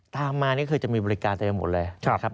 ตามมานี่ก็คือจะมีบริการเต็มไปหมดเลย